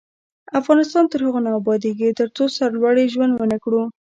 افغانستان تر هغو نه ابادیږي، ترڅو سرلوړي ژوند ونه کړو.